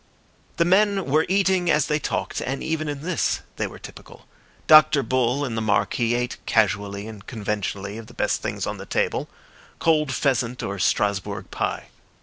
The men were eating as they talked, and even in this they were typical. Dr. Bull and the Marquis ate casually and conventionally of the best things on the table—cold pheasant or Strasbourg pie.